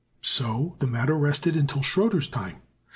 So the matter rested until Schröter's time.